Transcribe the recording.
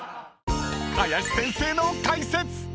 ［林先生の解説！］